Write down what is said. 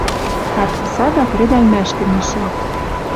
Парти сага кредӓлмӓшкӹ мишӹм